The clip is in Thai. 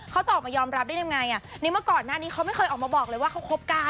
เขาจะออกมายอมรับได้ยังไงในเมื่อก่อนหน้านี้เขาไม่เคยออกมาบอกเลยว่าเขาคบกัน